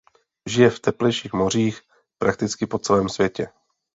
Žije v teplejších mořích prakticky po celém světě.